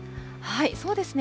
そうですね。